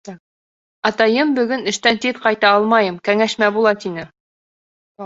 Атайым, бөгөн эштән тиҙ ҡайта алмайым, кәңәшмә була, тине.